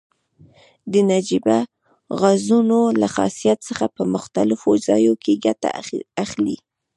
د نجیبه غازونو له خاصیت څخه په مختلفو ځایو کې ګټه اخلي.